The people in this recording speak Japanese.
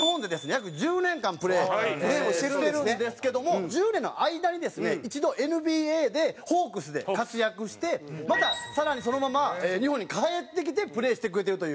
約１０年間プレーしてるんですけども１０年の間にですね一度ＮＢＡでホークスで活躍してまた更にそのまま日本に帰ってきてプレーしてくれてるという。